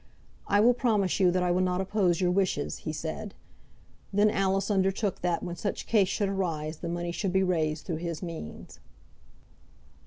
"I will promise you that I will not oppose your wishes," he said. Then Alice undertook that when such case should arise the money should be raised through his means.